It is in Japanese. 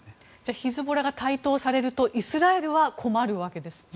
ヒズボラが台頭されるとイスラエルは困るわけですね。